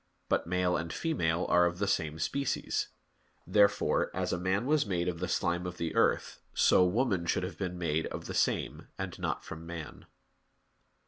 But male and female are of the same species. Therefore, as man was made of the slime of the earth, so woman should have been made of the same, and not from man.